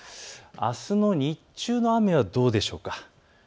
あすの日中の雨はどうでしょう。